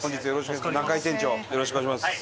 よろしくお願いします。